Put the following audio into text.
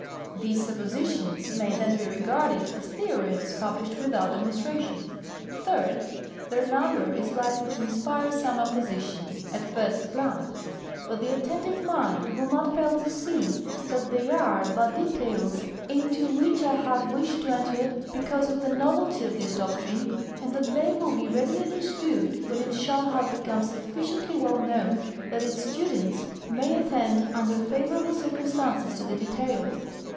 These suppositions may then be regarded as theorems published without demonstration. Third. Their number is likely to inspire some opposition at first glance; but the attentive mind will not fail to see that they are but details into which I have wished to enter because of the novelty of this doctrine, and that they will be readily understood when it shall have become sufficiently well known that its students may attend under favorable circumstances to the details.